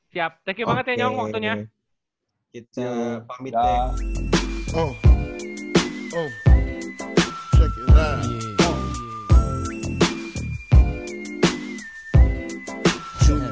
siap thank you banget ya nyong waktunya